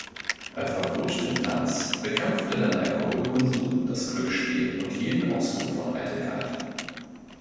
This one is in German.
Er verbot den Tanz, bekämpfte den Alkoholkonsum, das Glücksspiel und jeden Ausdruck von Eitelkeit.